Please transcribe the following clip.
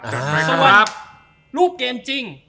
ส่วนวันรูปเกมจริง